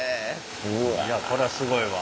いやこれはすごいわ。